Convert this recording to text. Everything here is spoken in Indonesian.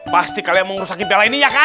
pasti kalian mau ngerusakin piala ini ya kan